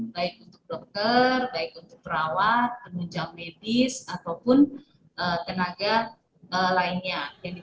baik untuk dokter baik untuk perawat penunjang medis ataupun tenaga lainnya